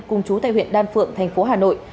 cùng chú tại huyện đan phượng thành phố hà nội